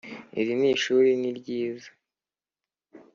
iri ni ishuri niryiza.